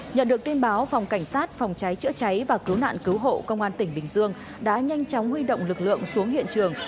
nhận được tin báo phòng cảnh sát phòng cháy chữa cháy và cứu nạn cứu hộ công an tỉnh bình dương đã nhanh chóng huy động lực lượng xuống hiện trường